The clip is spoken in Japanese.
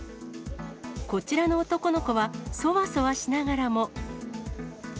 こちらの男の子は、そわそわしながらも。